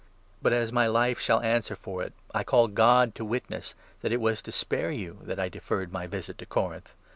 But, as my life shall answer for it, I call God to witness that 23 it was to spare you that I deferred my visit to Corinth.